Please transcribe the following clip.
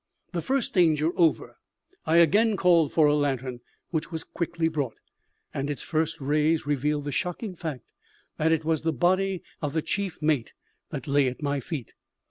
The first danger over, I again called for a lantern, which was quickly brought; and its first rays revealed the shocking fact that it was the body of the chief mate that lay at my feet.